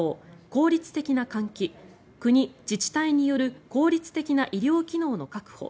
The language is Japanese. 効率的な換気国・自治体による効率的な医療機能の確保